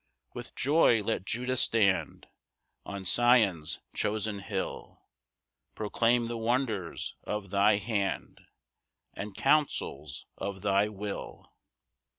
2 With joy let Judah stand On Sion's chosen hill, Proclaim the wonders of thy hand, And counsels of thy will.